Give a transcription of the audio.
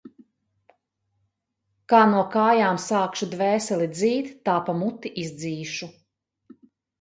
Kā no kājām sākšu dvēseli dzīt, tā pa muti izdzīšu.